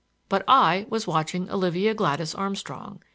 But I was watching Olivia Gladys Armstrong.